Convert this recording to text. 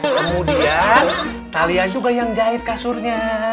kemudian kalian juga yang jahit kasurnya